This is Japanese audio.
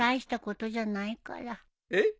えっ？